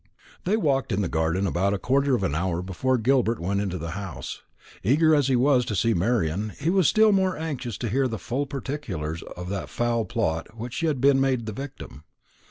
They walked in the garden for about a quarter of an hour before Gilbert went into the house. Eager as he was to see Marian, he was still more anxious to hear full particulars of that foul plot of which she had been made the victim.